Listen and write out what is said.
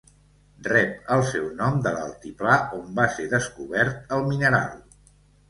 Rep el seu nom de l'altiplà on va ser descobert el mineral.